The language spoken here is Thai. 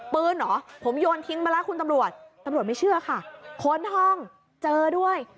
เหรอผมโยนทิ้งมาแล้วคุณตำรวจตำรวจไม่เชื่อค่ะค้นห้องเจอด้วย